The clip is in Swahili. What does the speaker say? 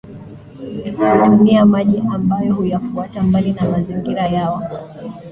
Hutumia maji ambayo huyafuata mbali na makazi yao